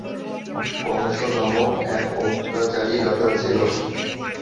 কংস নামক এক অত্যাচারী রাজা ছিল।